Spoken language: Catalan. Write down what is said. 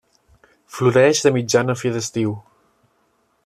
Floreix de mitjan a fi d'estiu.